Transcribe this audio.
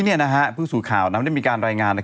เพิ่งสูดข่าวน้ำนี่มีการรายงาน